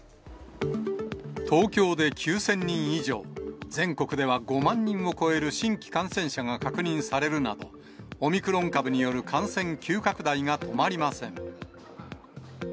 東京で９０００人以上、全国では５万人を超える新規感染者が確認されるなど、オミクロン株による感染急拡大が止まりません。